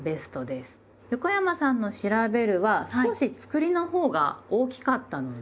横山さんの「『調』べる」は少しつくりのほうが大きかったので。